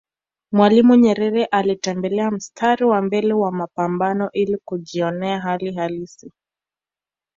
Mwalimu Nyerere alitembelea mstari wa mbele wa mapambano ili kujjionea hali halisi